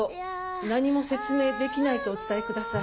何も説明できないとお伝え下さい。